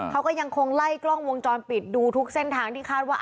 เขาก็ยังคงไล่กล้องวงจรปิดดูทุกเส้นทางที่คาดว่า